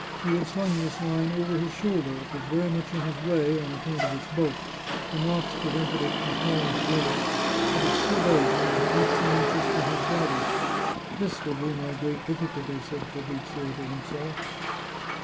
He had slung this line over his shoulder ; it was very much in his way, on account of its bulk ; the knots prevented it from falling together, and it stood out more than eighteen inches from his body. " This will be my great difficulty," said Fabrizio to himself.